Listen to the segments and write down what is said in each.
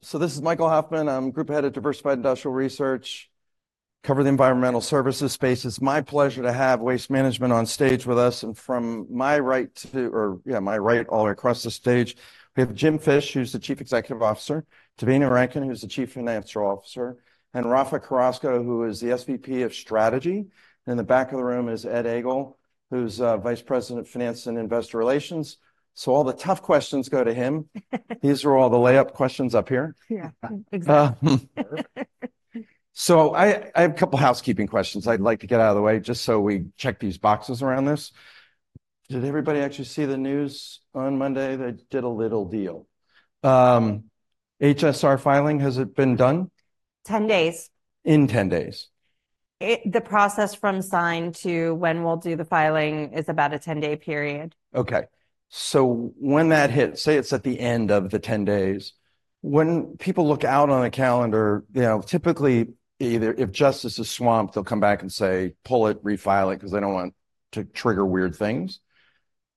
So this is Michael Hoffman. I'm Group Head of Diversified Industrial Research, cover the environmental services space. It's my pleasure to have Waste Management on stage with us, and from my right all the way across the stage, we have Jim Fish, who's the Chief Executive Officer, Devina Rankin, who's the Chief Financial Officer, and Rafa Carrasco, who is the SVP of Strategy. In the back of the room is Ed Egl, who's Vice President of Finance and Investor Relations, so all the tough questions go to him. These are all the layup questions up here. Yeah, exactly. So I have a couple housekeeping questions I'd like to get out of the way, just so we check these boxes around this. Did everybody actually see the news on Monday? They did a little deal. HSR filing, has it been done? 10 days. In 10 days. The process from sign to when we'll do the filing is about a 10-day period. Okay, so when that hits, say it's at the end of the 10 days, when people look out on a calendar, you know, typically, either if DOJ is swamped, they'll come back and say, "Pull it, refile it," 'cause they don't want to trigger weird things.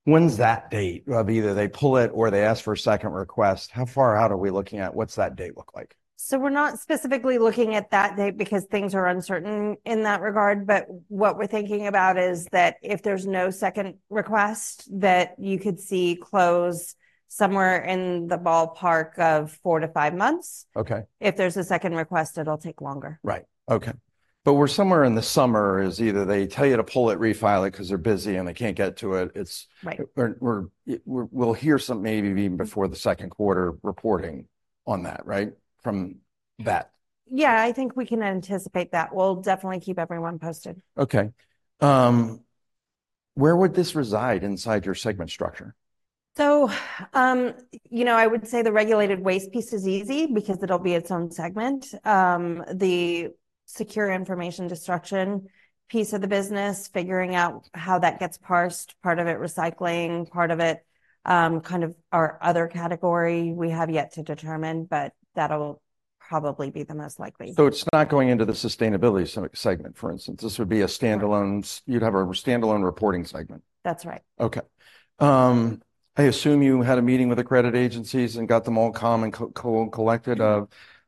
When's that date of either they pull it or they ask for a second request, how far out are we looking at? What's that date look like? We're not specifically looking at that date because things are uncertain in that regard. What we're thinking about is that if there's no second request, that you could see close somewhere in the ballpark of 4-5 months. Okay. If there's a second request, it'll take longer. Right. Okay. But we're somewhere in the summer. Is either they tell you to pull it, refile it, 'cause they're busy and they can't get to it. It's- Right. Or we're, we'll hear something maybe even before the second quarter reporting on that, right? From that. Yeah, I think we can anticipate that. We'll definitely keep everyone posted. Okay. Where would this reside inside your segment structure? You know, I would say the regulated waste piece is easy because it'll be its own segment. The secure information destruction piece of the business, figuring out how that gets parsed, part of it recycling, part of it, kind of our other category, we have yet to determine, but that'll probably be the most likely. So it's not going into the sustainability segment, for instance, this would be a standalone. You'd have a standalone reporting segment. That's right. Okay. I assume you had a meeting with the credit agencies and got them all calm and collected on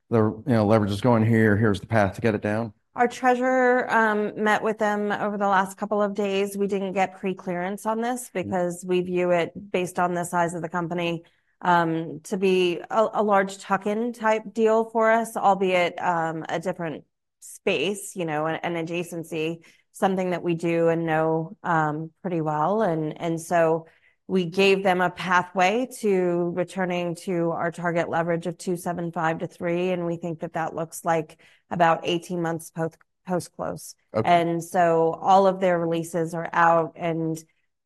the, you know, leverage is going here, here's the path to get it down. Our treasurer met with them over the last couple of days. We didn't get pre-clearance on this because we view it based on the size of the company to be a large tuck-in type deal for us, albeit a different space, you know, an adjacency, something that we do and know pretty well. And so we gave them a pathway to returning to our target leverage of 2.75-3, and we think that that looks like about 18 months post-close. Okay. And so all of their releases are out, and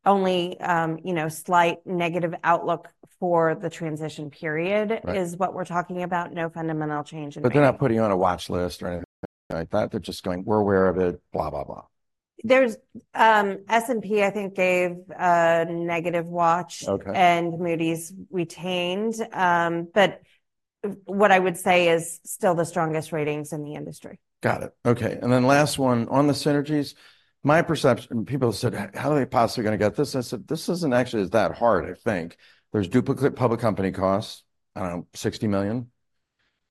only, you know, slight negative outlook for the transition period. Right. Is what we're talking about. No fundamental change in rating. But they're not putting you on a watch list or anything like that. They're just going, "We're aware of it," blah, blah, blah. There's S&P, I think, gave a negative watch. Okay. And Moody's retained, but what I would say is still the strongest ratings in the industry. Got it. Okay, and then last one, on the synergies, my perception, people have said, "How are they possibly going to get this?" I said, "This isn't actually that hard, I think." There's duplicate public company costs, $60 million.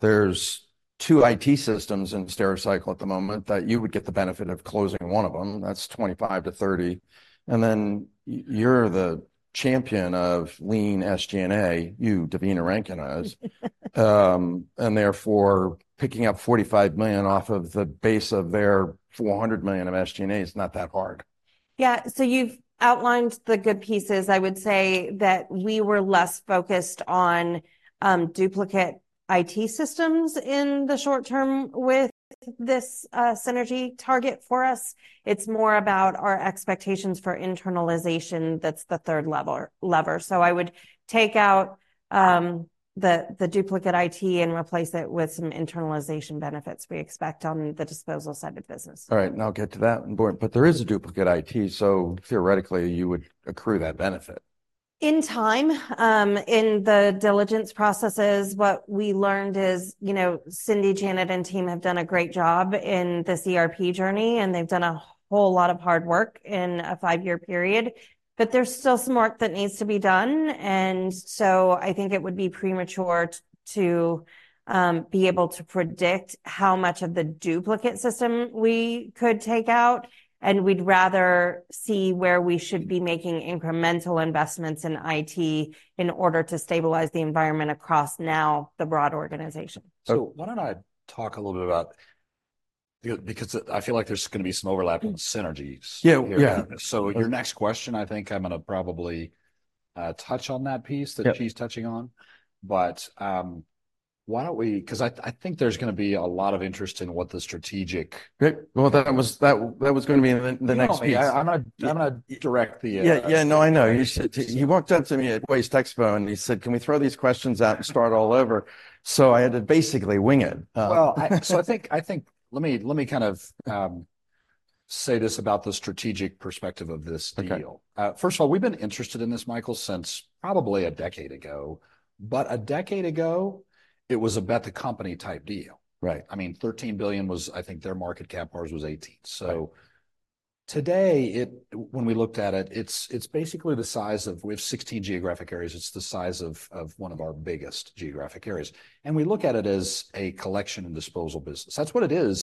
There's two IT systems in Stericycle at the moment that you would get the benefit of closing one of them. That's $25 million-$30 million. And then you're the champion of lean SG&A, you, Devina Rankin, is. And therefore, picking up $45 million off of the base of their $400 million of SG&A is not that hard. Yeah, so you've outlined the good pieces. I would say that we were less focused on duplicate IT systems in the short term with this synergy target for us. It's more about our expectations for internalization. That's the third level, lever. So I would take out the duplicate IT and replace it with some internalization benefits we expect on the disposal side of the business. All right, and I'll get to that in a moment, but there is a duplicate IT, so theoretically, you would accrue that benefit. In time, in the diligence processes, what we learned is, you know, Cindy, Janet, and team have done a great job in this ERP journey, and they've done a whole lot of hard work in a five-year period, but there's still some work that needs to be done. And so I think it would be premature to be able to predict how much of the duplicate system we could take out, and we'd rather see where we should be making incremental investments in IT in order to stabilize the environment across now the broad organization. So why don't I talk a little bit about... because I feel like there's going to be some overlap in synergies. So your next question, I think I'm going to probably touch on that piece.that she's touching on. But, why don't we, because I think there's going to be a lot of interest in what the strategic. Great. Well, that was going to be in the next piece. No, I'm gonna direct the, Yeah. Yeah. No, I know. You walked up to me at WasteExpo, and you said: "Can we throw these questions out and start all over?" So I had to basically wing it. Well, so I think. Let me kind of say this about the strategic perspective of this deal. Okay. First of all, we've been interested in this, Michael, since probably a decade ago. But a decade ago, it was about the company-type deal. Right. I mean, $13 billion was, I think, their market cap, ours was $18 billion. Right. Today, when we looked at it, it's basically the size of one of our biggest geographic areas. We have 16 geographic areas. And we look at it as a collection and disposal business. That's what it is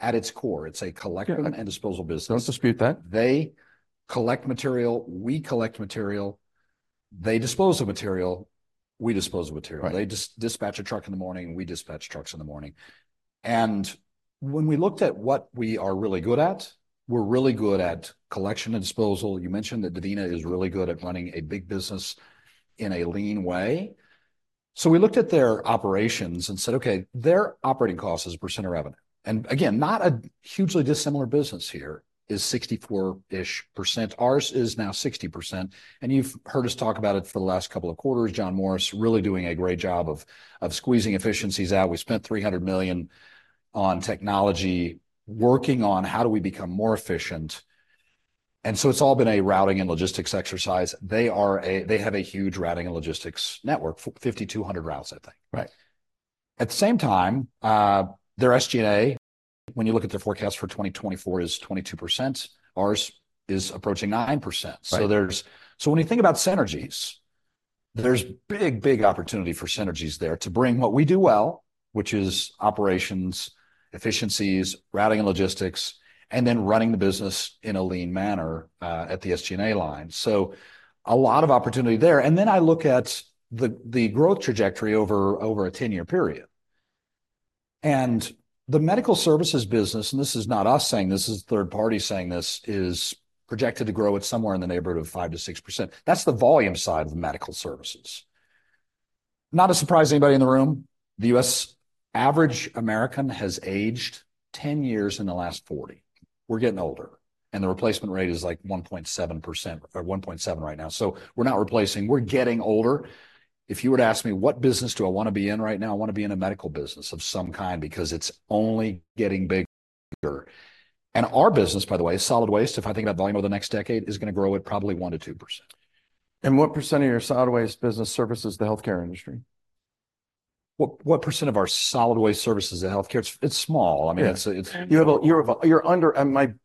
at its core. It's a collection and disposal business. Don't dispute that. They collect material, we collect material. They dispose of material, we dispose of material. Right. They dispatch a truck in the morning, we dispatch trucks in the morning. When we looked at what we are really good at, we're really good at collection and disposal. You mentioned that Devina is really good at running a big business in a lean way. We looked at their operations and said, "Okay, their operating cost as a percent of revenue," and again, not a hugely dissimilar business here, is 64-ish%. Ours is now 60%, and you've heard us talk about it for the last couple of quarters. John Morris really doing a great job of squeezing efficiencies out. We spent $300 million on technology, working on how do we become more efficient, and so it's all been a routing and logistics exercise. They have a huge routing and logistics network, 5,200 routes, I think. Right. At the same time, their SG&A, when you look at their forecast for 2024, is 22%. Ours is approaching 9%. Right. When you think about synergies, there's big, big opportunity for synergies there to bring what we do well, which is operations, efficiencies, routing and logistics, and then running the business in a lean manner at the SG&A line. So a lot of opportunity there. And then I look at the growth trajectory over a 10-year period. And the medical services business, and this is not us saying this, this is a third party saying this, is projected to grow at somewhere in the neighborhood of 5%-6%. That's the volume side of the medical services. Not a surprise to anybody in the room, the U.S. average American has aged 10 years in the last 40. We're getting older, and the replacement rate is, like, 1.7% or 1.7 right now. So we're not replacing, we're getting older. If you were to ask me, "What business do I want to be in right now?" I want to be in a medical business of some kind because it's only getting bigger. Our business, by the way, solid waste, if I think about volume over the next decade, is gonna grow at probably 1%-2%. What % of your solid waste business services the healthcare industry? What, what percent of our solid waste services the healthcare? It's, it's small. I mean, it's.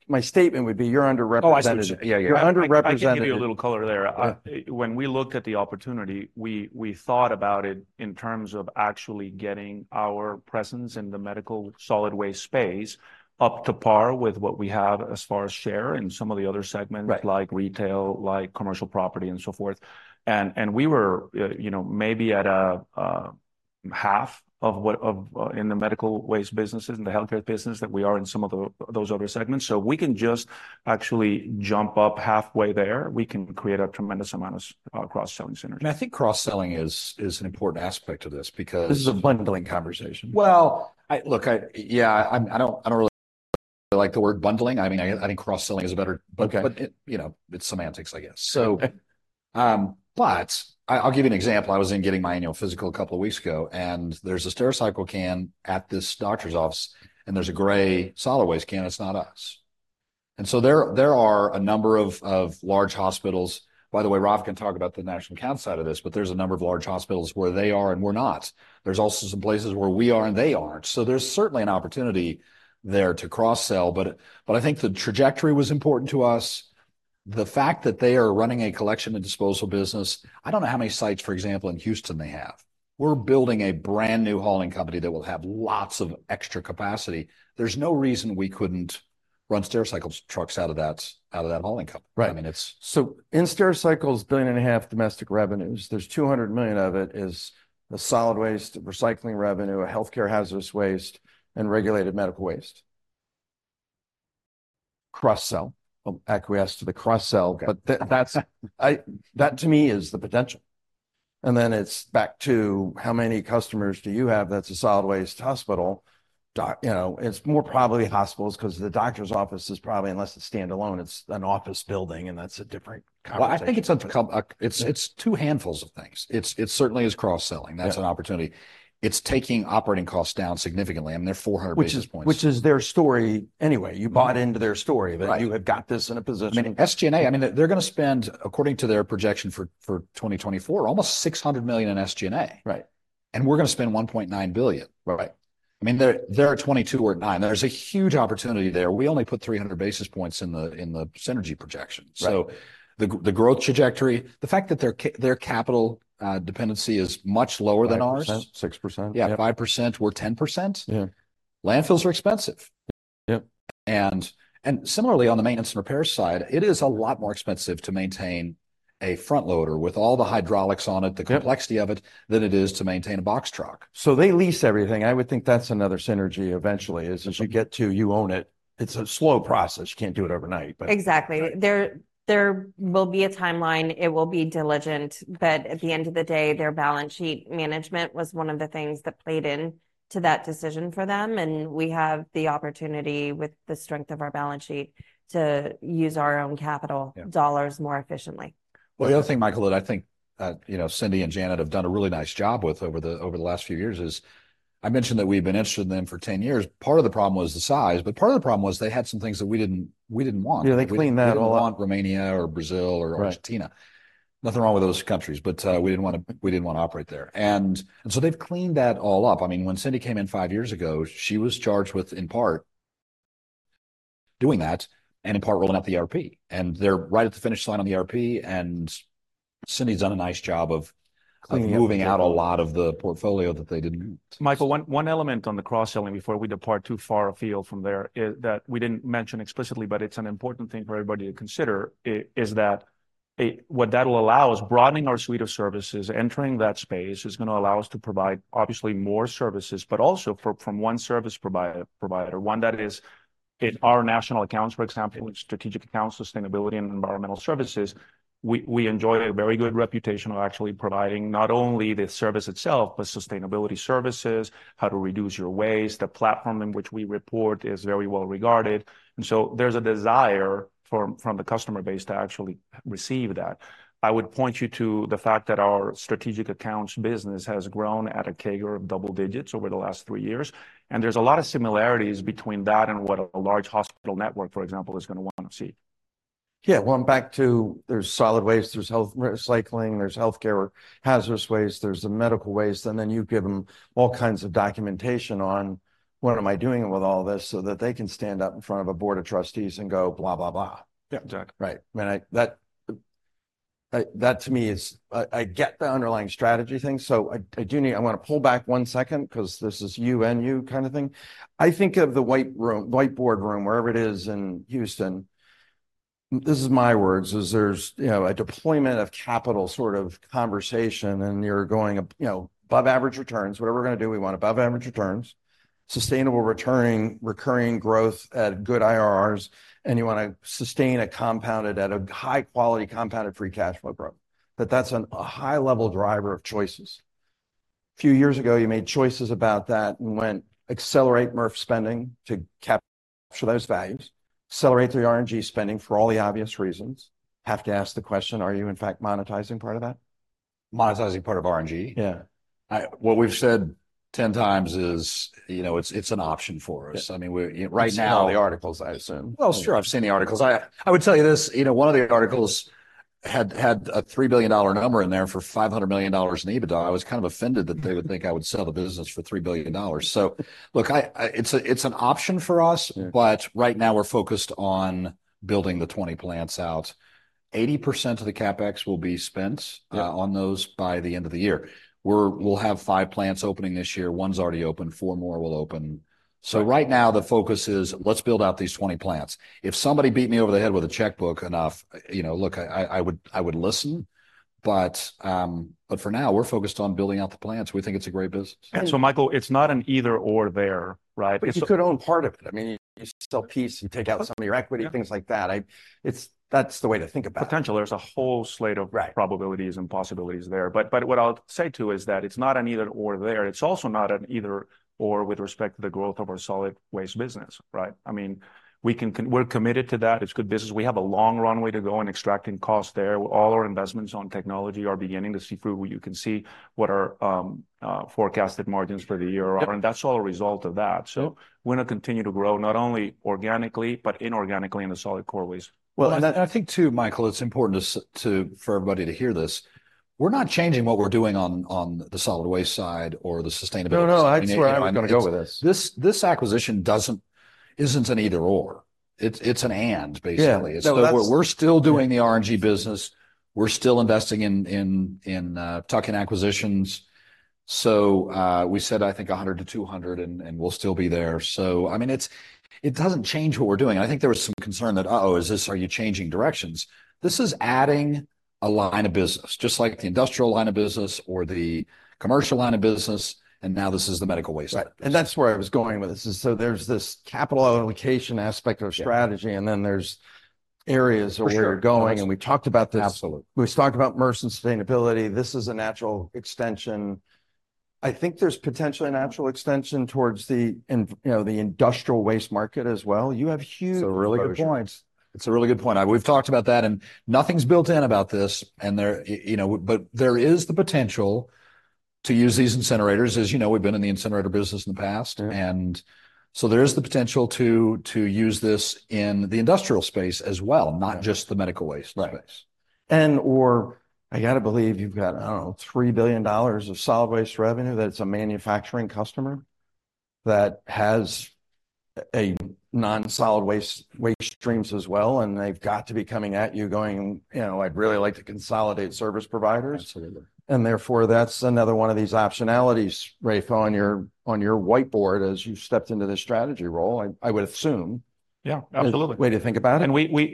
My statement would be you're underrepresented. Oh, I see what you. Yeah, yeah. You're underrepresented. I can give you a little color there. Yeah. When we looked at the opportunity, we thought about it in terms of actually getting our presence in the medical solid waste space up to par with what we have as far as share in some of the other segments. Right. Like retail, like commercial property, and so forth. And, and we were, you know, maybe at a, a half of what, of, in the medical waste businesses, in the healthcare business, that we are in some of the, those other segments. So if we can just actually jump up halfway there, we can create a tremendous amount of, cross-selling synergy. I think cross-selling is an important aspect of this because. This is a bundling conversation. Well, look, I don't really like the word "bundling." I mean, I think cross-selling is a better- Okay. But, you know, it's semantics, I guess. So, but I, I'll give you an example. I was in getting my annual physical a couple of weeks ago, and there's a Stericycle can at this doctor's office, and there's a gray solid waste can. It's not us. And so there are a number of large hospitals. By the way, Rafa can talk about the national account side of this, but there's a number of large hospitals where they are, and we're not. There's also some places where we are, and they aren't. So there's certainly an opportunity there to cross-sell, but I think the trajectory was important to us. The fact that they are running a collection and disposal business, I don't know how many sites, for example, in Houston they have. We're building a brand-new hauling company that will have lots of extra capacity. There's no reason we couldn't run Stericycle's trucks out of that, out of that hauling company. Right. I mean, it's. In Stericycle's $1.5 billion domestic revenues, there's $200 million of it is the solid waste, recycling revenue, healthcare hazardous waste, and regulated medical waste. Cross-sell. I'll acquiesce to the cross-sell. Okay. But that, to me, is the potential. Then it's back to how many customers do you have that's a solid waste hospital? You know, it's more probably hospitals, 'cause the doctor's office is probably, unless it's standalone, it's an office building, and that's a different conversation. Well, I think it's two handfuls of things. It certainly is cross-selling. That's an opportunity. It's taking operating costs down significantly. I mean, they're 400 basis points. Which is, which is their story anyway. You bought into their story. Right. That you had got this in a position. I mean, SG&A, I mean, they're gonna spend, according to their projection for 2024, almost $600 million in SG&A. Right. We're gonna spend $1.9 billion. Right. I mean, they're at 22, we're at 9. There's a huge opportunity there. We only put 300 basis points in the synergy projection. Right. So the growth trajectory, the fact that their capital dependency is much lower than ours- 5%, 6%. Yeah, 5%, we're 10%. Landfills are expensive. Similarly, on the maintenance and repair side, it is a lot more expensive to maintain a front loader with all the hydraulics on it, the complexity of it, than it is to maintain a box truck. So they lease everything. I would think that's another synergy eventually, is as you get to, you own it. It's a slow process. You can't do it overnight, but- Exactly. There will be a timeline, it will be diligent, but at the end of the day, their balance sheet management was one of the things that played into that decision for them, and we have the opportunity, with the strength of our balance sheet, to use our own capital dollars more efficiently. Well, the other thing, Michael, that I think, you know, Cindy and Janet have done a really nice job with over the last few years is, I mentioned that we've been interested in them for 10 years. Part of the problem was the size, but part of the problem was they had some things that we didn't want. Yeah, they cleaned that all up. We didn't want Romania or Brazil or. Right. Argentina. Nothing wrong with those countries, but we didn't wanna, we didn't wanna operate there. And so they've cleaned that all up. I mean, when Cindy came in five years ago, she was charged with, in part doing that, and in part rolling out the ERP. And they're right at the finish line on the ERP, and Cindy's done a nice job of moving out a lot of the portfolio that they didn't- Michael, one element on the cross-selling before we depart too far afield from there is that we didn't mention explicitly, but it's an important thing for everybody to consider, is that what that'll allow is broadening our suite of services. Entering that space is going to allow us to provide obviously more services, but also from one service provider, one that is in our national accounts, for example, in strategic accounts, sustainability, and environmental services. We enjoy a very good reputation of actually providing not only the service itself, but sustainability services, how to reduce your waste. The platform in which we report is very well-regarded, and so there's a desire from the customer base to actually receive that. I would point you to the fact that our strategic accounts business has grown at a CAGR of double digits over the last three years, and there's a lot of similarities between that and what a large hospital network, for example, is going to want to see. Yeah. Well, back to there's solid waste, there's health, recycling, there's healthcare, hazardous waste, there's the medical waste, and then you give them all kinds of documentation on, "What am I doing with all this?" So that they can stand up in front of a board of trustees and go, "Blah, blah, blah. Yeah, exactly. Right. And I, That, that to me is... I get the underlying strategy thing, so I do need—I want to pull back one second, 'cause this is you and you kind of thing. I think of the whiteboard room, wherever it is in Houston. This is my words, is there's, you know, a deployment of capital sort of conversation, and you're going, you know, above average returns. Whatever we're going to do, we want above average returns, sustainable returning, recurring growth at good IRRs, and you want to sustain a compounded, at a high quality, compounded free cash flow growth. That that's an, a high level driver of choices. A few years ago, you made choices about that and went accelerate MRF spending to capture those values. Accelerate the RNG spending for all the obvious reasons. Have to ask the question: Are you, in fact, monetizing part of that? Monetizing part of RNG? What we've said ten times is, you know, it's, it's an option for us. I mean, we, you. Right now, the articles, I assume. Well, sure, I've seen the articles. I would tell you this, you know, one of the articles had a $3 billion number in there for $500 million in EBITDA. I was kind of offended that they would think I would sell the business for $3 billion. So look, it's an option for us, but right now we're focused on building the 20 plants out. 80% of the CapEx will be spent- on those by the end of the year. We'll have five plants opening this year. One's already open, four more will open. Right. So right now the focus is, let's build out these 20 plants. If somebody beat me over the head with a checkbook enough, you know, look, I would listen. But for now, we're focused on building out the plants. We think it's a great business. And so Michael, it's not an either/or there, right? It's. But you could own part of it. I mean, you sell piece, you take out some of your equity things like that. It's, that's the way to think about it. Potentially. There's a whole slate of. Right. Probabilities and possibilities there. But what I'll say, too, is that it's not an either/or there. It's also not an either/or with respect to the growth of our solid waste business, right? I mean, we're committed to that. It's good business. We have a long runway to go in extracting cost there. All our investments on technology are beginning to see through. You can see what our forecasted margins for the year are and that's all a result of that. We're going to continue to grow, not only organically, but inorganically in the solid core waste. Well, I think too, Michael, it's important for everybody to hear this. We're not changing what we're doing on the solid waste side or the sustainability. No, no, that's where I was gonna go with this. This acquisition isn't an either/or. It's an "and" basically. So we're still doing the RNG business. We're still investing in tuck-in acquisitions. So, we said, I think, $100-$200, and we'll still be there. So I mean, it doesn't change what we're doing. I think there was some concern that uh-oh, is this... Are you changing directions? This is adding a line of business, just like the industrial line of business or the commercial line of business, and now this is the medical waste line. Right. That's where I was going with this, is so there's this capital allocation aspect of strategy and then there's areas where you're going- For sure. We talked about this. Absolutely. We've talked about MRF and sustainability. This is a natural extension. I think there's potentially a natural extension towards the you know, the industrial waste market as well. You have huge points. It's a really good point. It's a really good point. We've talked about that, and nothing's built in about this, and there... you know, but there is the potential to use these incinerators. As you know, we've been in the incinerator business in the past. There is the potential to use this in the industrial space as well not just the medical waste space. Right. And/or I gotta believe you've got, I don't know, $3 billion of solid waste revenue, that it's a manufacturing customer that has a non-solid waste, waste streams as well, and they've got to be coming at you, going: "You know, I'd really like to consolidate service providers. Absolutely. And therefore, that's another one of these optionalities, Rafa, on your whiteboard as you've stepped into this strategy role, I would assume. Yeah, absolutely Way to think about it.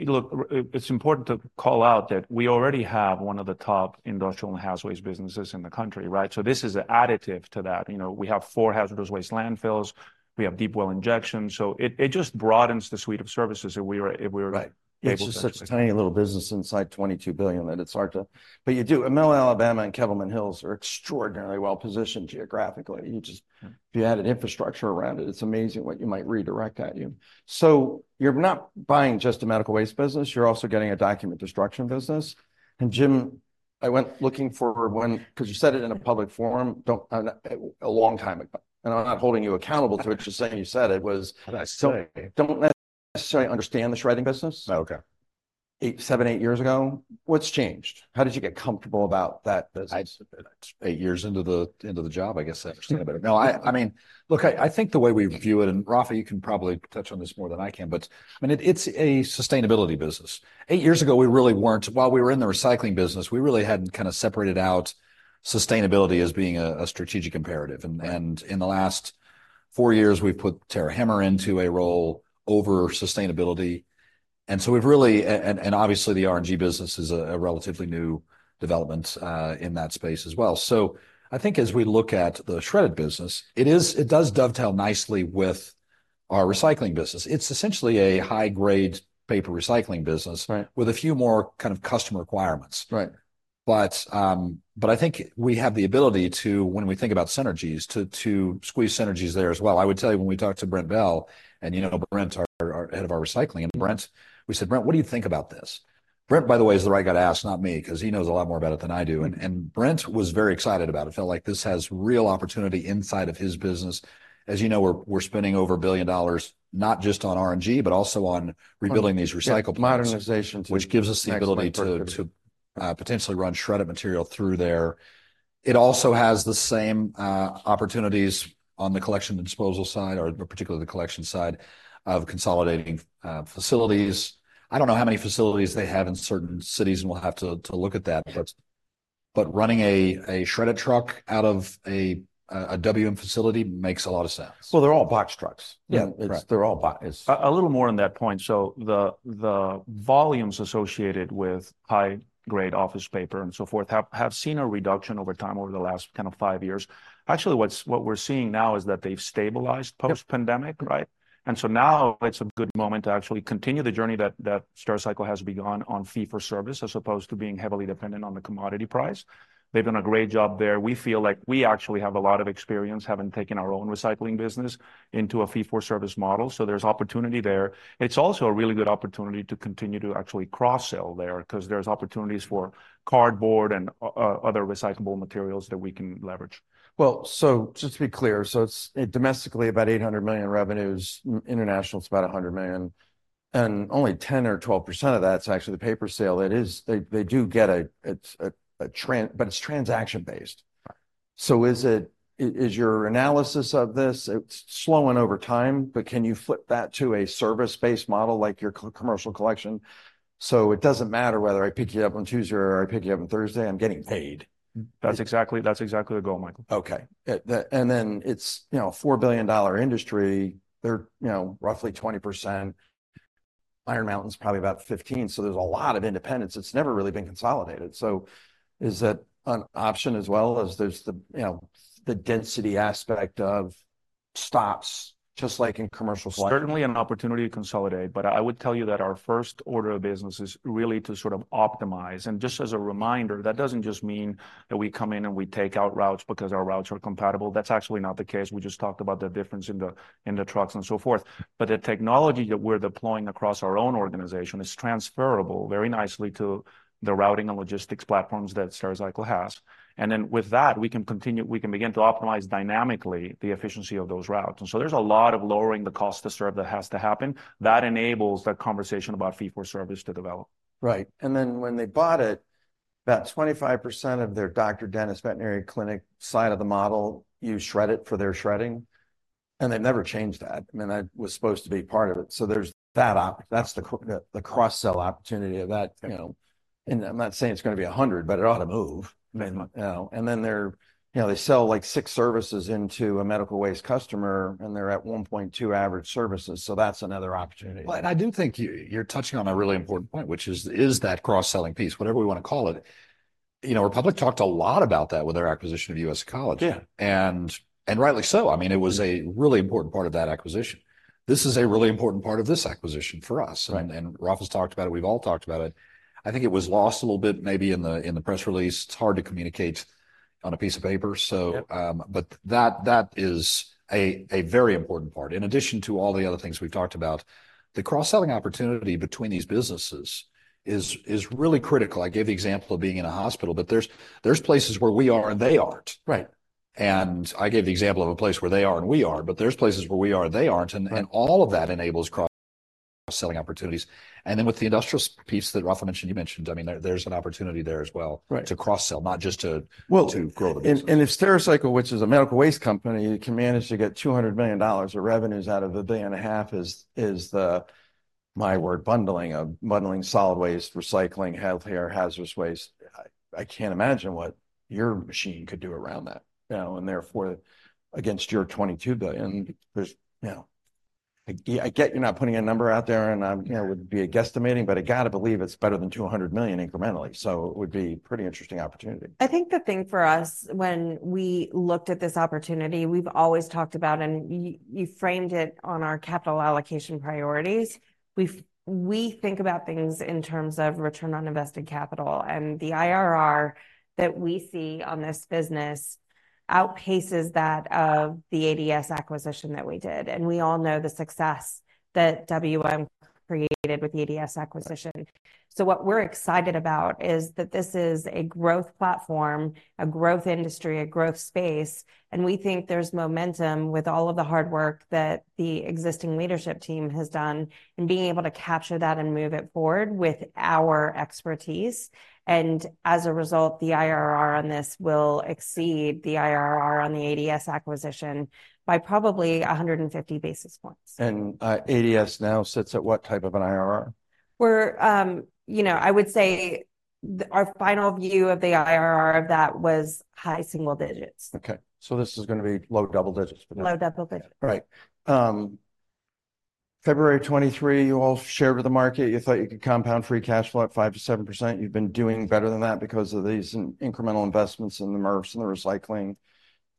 Look, it's important to call out that we already have one of the top industrial and hazardous waste businesses in the country, right? So this is additive to that. You know, we have four hazardous waste landfills, we have deep well injection, so it just broadens the suite of services if we were, if we were. Right. Able to. It's just such a tiny little business inside $22 billion, that it's hard to... But you do. And Emelle, Alabama, and Kettleman Hills are extraordinarily well-positioned geographically. You just, if you had an infrastructure around it, it's amazing what you might redirect at you. So you're not buying just a medical waste business, you're also getting a document destruction business. And Jim, I went looking for one, 'cause you said it in a public forum, don't- a long time ago, and I'm not holding you accountable to it. Just saying you said it, was- But I still say it. Don't necessarily understand the shredding business. Okay, 8 years ago, what's changed? How did you get comfortable about that business 8 years into the job? I guess I understand better. No, I mean, look, I think the way we view it, and Rafa, you can probably touch on this more than I can, but I mean, it's a sustainability business. 8 years ago, we really weren't. While we were in the recycling business, we really hadn't kind of separated out sustainability as being a strategic imperative, and in the last 4 years, we've put Tara Hemmer into a role over sustainability. So we've really. And obviously, the RNG business is a relatively new development in that space as well. So I think as we look at the Shred-it business, it does dovetail nicely with our recycling business. It's essentially a high-grade paper recycling business. Right. With a few more kind of customer requirements. Right. But, but I think we have the ability to, when we think about synergies, to squeeze synergies there as well. I would tell you, when we talked to Brent Bell, and you know Brent, our head of our recycling, and Brent— We said: "Brent, what do you think about this?" Brent, by the way, is the right guy to ask, not me, 'cause he knows a lot more about it than I do, and Brent was very excited about it, felt like this has real opportunity inside of his business. As you know, we're spending over $1 billion, not just on RNG, but also on rebuilding these recycle plants. Yeah, modernisation. Which gives us the ability to potentially run shredded material through there. It also has the same opportunities on the collection and disposal side, or particularly the collection side, of consolidating facilities. I don't know how many facilities they have in certain cities, and we'll have to look at that, but running a Shred-it truck out of a WM facility makes a lot of sense. Well, they're all box trucks. Yeah, right. They're all bo- it's. A little more on that point. So the volumes associated with high-grade office paper and so forth have seen a reduction over time over the last kind of five years. Actually, what we're seeing now is that they've stabilized post-pandemic, right? And so now it's a good moment to actually continue the journey that Stericycle has begun on fee for service, as opposed to being heavily dependent on the commodity price. They've done a great job there. We feel like we actually have a lot of experience, having taken our own recycling business into a fee for service model, so there's opportunity there. It's also a really good opportunity to continue to actually cross-sell there, 'cause there's opportunities for cardboard and other recyclable materials that we can leverage. Well, so just to be clear, so it's, domestically, about $800 million revenues. International, it's about $100 million, and only 10 or 12% of that's actually the paper sale. It is a transaction-based. Right. So is it your analysis of this? It's slowing over time, but can you flip that to a service-based model like your commercial collection? So it doesn't matter whether I pick you up on Tuesday or I pick you up on Thursday, I'm getting paid. That's exactly, that's exactly the goal, Michael. Okay. And then it's, you know, a $4 billion industry. They're, you know, roughly 20%. Iron Mountain's probably about 15, so there's a lot of independents. It's never really been consolidated. So is that an option as well as there's the, you know, the density aspect of stops, just like in commercial- Certainly an opportunity to consolidate, but I would tell you that our first order of business is really to sort of optimize. And just as a reminder, that doesn't just mean that we come in, and we take out routes because our routes are compatible. That's actually not the case. We just talked about the difference in the, in the trucks and so forth. But the technology that we're deploying across our own organization is transferable very nicely to the routing and logistics platforms that Stericycle has. And then, with that, we can continue, we can begin to optimize dynamically the efficiency of those routes. And so there's a lot of lowering the cost to serve that has to happen. That enables that conversation about fee for service to develop. Right. And then, when they bought it, about 25% of their doctor, dentist, veterinary clinic side of the model use Shred-it for their shredding, and they've never changed that. I mean, that was supposed to be part of it, so that's the cross-sell opportunity of that, you know. And I'm not saying it's gonna be 100, but it ought to move, I mean... And then, you know, they sell, like, six services into a medical waste customer, and they're at 1.2 average services, so that's another opportunity. Well, and I do think you’re touching on a really important point, which is that cross-selling piece, whatever we want to call it. You know, Republic talked a lot about that with their acquisition of US Ecology. And rightly so. I mean, it was a really important part of that acquisition. This is a really important part of this acquisition for us. Right. And Rafa's talked about it. We've all talked about it. I think it was lost a little bit maybe in the press release. It's hard to communicate on a piece of paper, so, but that is a very important part. In addition to all the other things we've talked about, the cross-selling opportunity between these businesses is really critical. I gave the example of being in a hospital, but there's places where we are, and they aren't. Right. And I gave the example of a place where they are, and we are, but there's places where we are, and they aren't. Right. And all of that enables cross-selling opportunities. And then with the industrial piece that Rafa mentioned, you mentioned, I mean, there's an opportunity there as well. Right. To cross-sell, not just to. Well. To grow. If Stericycle, which is a medical waste company, can manage to get $200 million of revenues out of $1.5 billion, is the, my word, bundling of solid waste, recycling, healthcare, hazardous waste, I can't imagine what your machine could do around that, you know, and therefore against your $22 billion. There's, you know... I get you're not putting a number out there, and I'm, you know, would be a guesstimating, but I gotta believe it's better than $200 million incrementally, so it would be pretty interesting opportunity. I think the thing for us when we looked at this opportunity, we've always talked about, and you, you framed it on our capital allocation priorities. We think about things in terms of return on invested capital, and the IRR that we see on this business outpaces that of the ADS acquisition that we did, and we all know the success that WM created with the ADS acquisition. So what we're excited about is that this is a growth platform, a growth industry, a growth space, and we think there's momentum with all of the hard work that the existing leadership team has done, and being able to capture that and move it forward with our expertise. And as a result, the IRR on this will exceed the IRR on the ADS acquisition by probably 150 basis points. ADS now sits at what type of an IRR? We're, you know, I would say, our final view of the IRR of that was high single digits. Okay, so this is gonna be low double digits but. Low double digits. Right. February 2023, you all shared with the market you thought you could compound free cash flow at 5%-7%. You've been doing better than that because of these incremental investments in the MRFs and the recycling,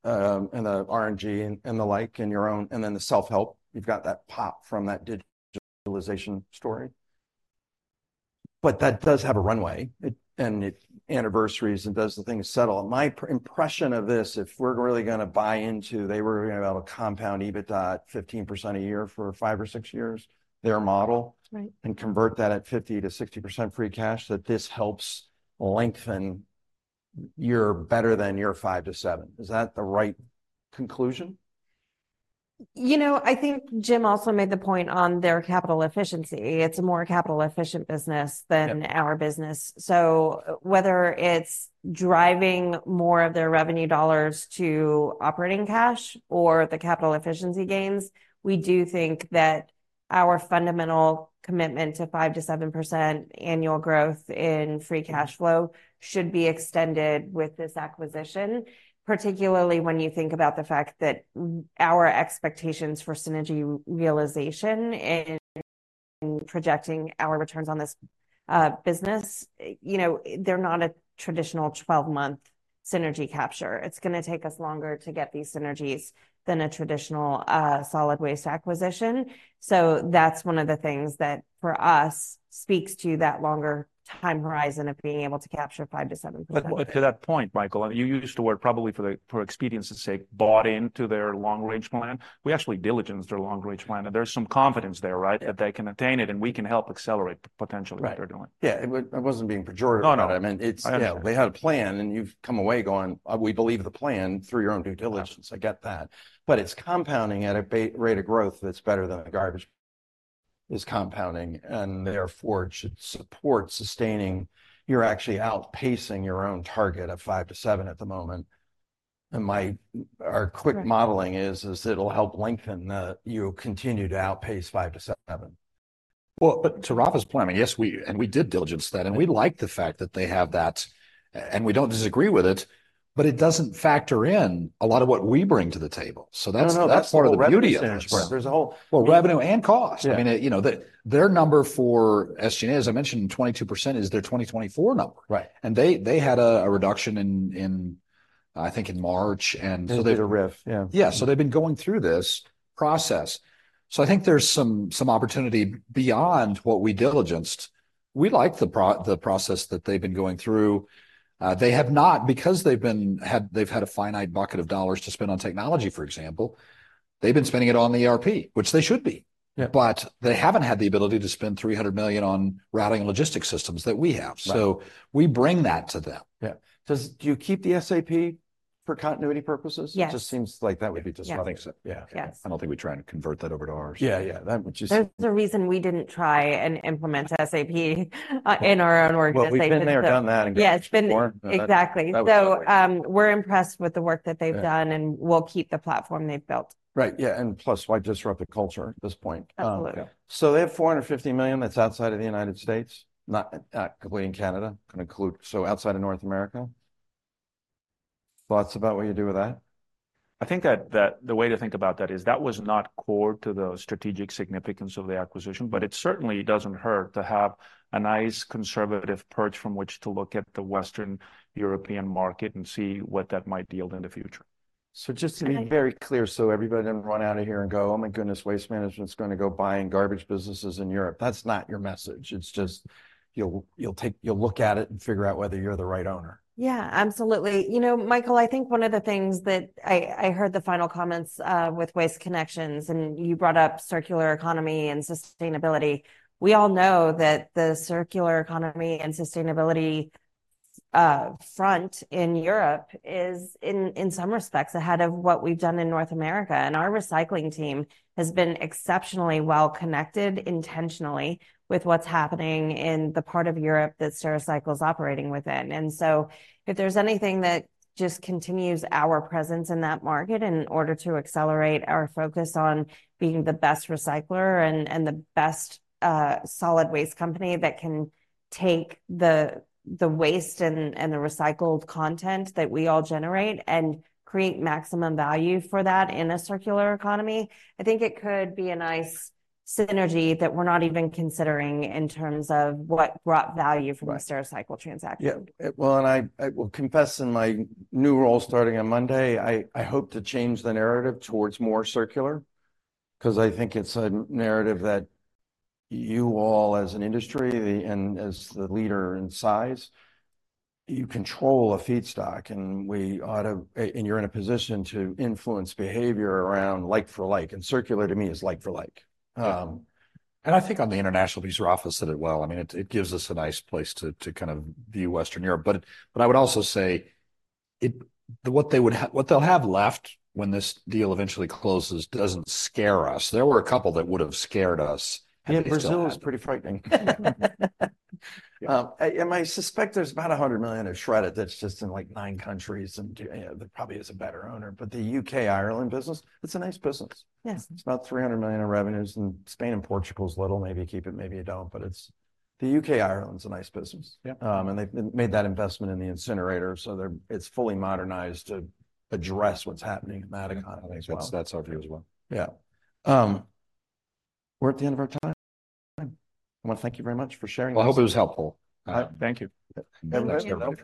and the RNG and the like, in your own, and then the self-help. You've got that pop from that digitalization story. But that does have a runway, it, and it anniversaries and does the thing settle? My impression of this, if we're really gonna buy into they were gonna have a compound EBITDA 15% a year for 5 or 6 years, their model. Right. And convert that at 50%-60% free cash, that this helps lengthen your better than your 5-7. Is that the right conclusion? You know, I think Jim also made the point on their capital efficiency. It's a more capital efficient business than our business. So whether it's driving more of their revenue dollars to operating cash or the capital efficiency gains, we do think that our fundamental commitment to 5%-7% annual growth in free cash flow should be extended with this acquisition, particularly when you think about the fact that our expectations for synergy realization in projecting our returns on this business, you know, they're not a traditional 12-month synergy capture. It's gonna take us longer to get these synergies than a traditional solid waste acquisition. So that's one of the things that, for us, speaks to that longer time horizon of being able to capture 5%-7%. But to that point, Michael, and you used the word probably for the, for expedience's sake, bought into their long-range plan. We actually diligenced their long-range plan, and there's some confidence there, right? That they can attain it, and we can help accelerate the potential. Right. That they're doing. Yeah, it. I wasn't being pejorative. No, no. I mean, it's. I understand. Yeah, they had a plan, and you've come away going, "we believe the plan," through your own due diligence. I get that. But it's compounding at a rate of growth that's better than is compounding, and therefore, it should support sustaining. You're actually outpacing your own target of 5-7 at the moment, and our quick. Right. Modeling is it'll help lengthen the—you'll continue to outpace 5-7. Well, but to Rafa's point, I mean, yes, we did diligence that, and we like the fact that they have that, and we don't disagree with it, but it doesn't factor in a lot of what we bring to the table. So that's- No, no, that's. That's part of the beauty of this. There's a whole. Well, revenue and cost. I mean, you know, their number for SG&A, as I mentioned, 22% is their 2024 number. Right. And they had a reduction in, I think, in March, and so they. They did a RIF, yeah. Yeah, so they've been going through this process. So I think there's some opportunity beyond what we diligenced. We like the process that they've been going through. They have not, because they've had a finite bucket of dollars to spend on technology, for example, they've been spending it on the ERP, which they should be. But they haven't had the ability to spend $300 million on routing and logistics systems that we have. Right. We bring that to them. Yeah. Do you keep the SAP for continuity purposes? Yes. It just seems like that would be just. I think so. Yes. I don't think we're trying to convert that over to ours. Yeah, yeah, that would just. There's a reason we didn't try and implement SAP in our own organization. Well, we've been there, done that, and. Yeah, it's been. Got the t-shirt. Exactly. That. So, we're impressed with the work that they've done and we'll keep the platform they've built. Right. Yeah, and plus, why disrupt the culture at this point? Absolutely. So they have $450 million that's outside of the United States, not, not including Canada, can include... So outside of North America. Thoughts about what you do with that? I think that the way to think about that is, that was not core to the strategic significance of the acquisition, but it certainly doesn't hurt to have a nice, conservative perch from which to look at the Western Europe market and see what that might yield in the future. So just to be very clear, so everybody doesn't run out of here and go, "Oh, my goodness, Waste Management's gonna go buying garbage businesses in Europe," that's not your message. It's just, you'll look at it and figure out whether you're the right owner. Yeah, absolutely. You know, Michael, I think one of the things that I heard the final comments with Waste Connections, and you brought up circular economy and sustainability. We all know that the circular economy and sustainability front in Europe is in some respects ahead of what we've done in North America, and our recycling team has been exceptionally well-connected intentionally with what's happening in the part of Europe that Stericycle's operating within. And so if there's anything that just continues our presence in that market in order to accelerate our focus on being the best recycler and, and the best, solid waste company that can take the, the waste and, and the recycled content that we all generate and create maximum value for that in a circular economy, I think it could be a nice synergy that we're not even considering in terms of what brought value. Right. From the Stericycle transaction. Yeah. Well, and I will confess, in my new role, starting on Monday, I hope to change the narrative towards more circular, 'cause I think it's a narrative that you all as an industry, the, and as the leader in size, you control a feedstock, and we ought to... and you're in a position to influence behavior around like for like, and circular, to me, is like for like. And I think on the international piece, Rafa said it well. I mean, it gives us a nice place to kind of view Western Europe. But I would also say, what they'll have left when this deal eventually closes doesn't scare us. There were a couple that would've scared us, had we still had- Yeah, Brazil is pretty frightening. And I suspect there's about $100 million of Shred-it that's just in, like, nine countries, and there probably is a better owner. But the UK-Ireland business, it's a nice business. Yes. It's about $300 million in revenues, and Spain and Portugal's little. Maybe you keep it, maybe you don't, but it's. The U.K.-Ireland's a nice business. They've made that investment in the incinerator, so they're, it's fully modernized to address what's happening in that economy as well. I think that's, that's our view as well. Yeah. We're at the end of our time. I wanna thank you very much for sharing this. Well, I hope it was helpful. Thank you. Everybody know.